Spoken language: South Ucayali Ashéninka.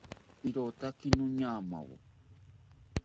¡Irotake noñamawo!